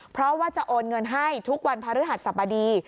เพราะว่าจะโอนเงินให้ทุกวันพระฤหัสสบดี